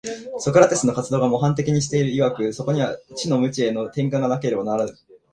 ソクラテスの活動が模範的に示している如く、そこには知の無知への転換がなければならぬ。